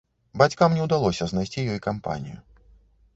Бацькам не ўдалося знайсці ёй кампанію.